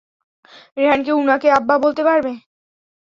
রেহান কি উনাকে আব্বা বলতে পারবে?